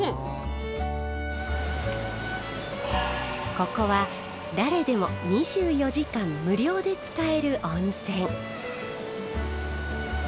ここは誰でも２４時間無料で使える温泉。